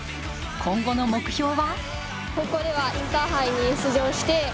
今後の目標は？